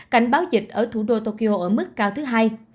cảnh báo dịch ở thủ đô tokyo ở mức cao thứ hai